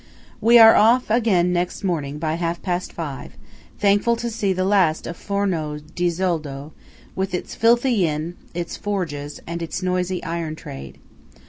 We are off again next morning by half past five, thankful to see the last of Forno di Zoldo, with its filthy inn, its forges, and its noisy iron trade.